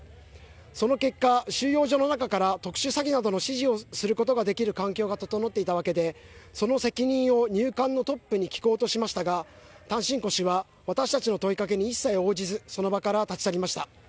その結果、収容所の中から特殊詐欺の指示をすることができる環境が整っていたわけで、その責任を入管のトップに聞こうとしましたが、タンシンコ氏は私たちの問いかけに一切応じず、その場から立ち去りました。